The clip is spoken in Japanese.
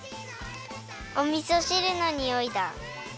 おみそしるのにおいだ。